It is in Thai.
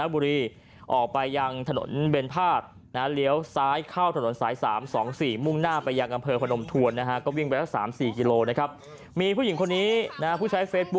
มันยังนี่เลยเร็ว